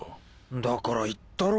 だから言ったろ？